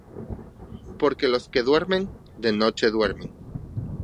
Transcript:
Porque los que duermen, de noche duermen;